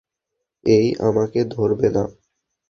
এই আমাকে ধরবে না।